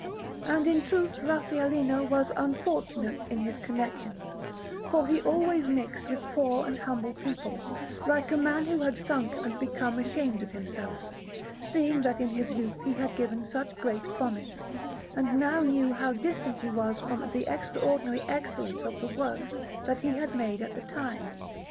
And in truth Raffaellino was unfortunate in his connections, for he always mixed with poor and humble people, like a man who had sunk and become ashamed of himself, seeing that in his youth he had given such great promise, and now knew how distant he was from the extraordinary excellence of the works that he had made at that time.